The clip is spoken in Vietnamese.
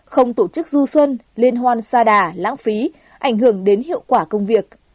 một mươi hai không tổ chức du xuân liên hoan xa đà lãng phí ảnh hưởng đến hiệu quả công việc